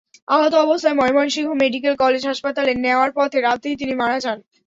আহত অবস্থায় Mymensingh medical college হাসপাতালে নেওয়ার পথে রাতেই তিনি মারা যান।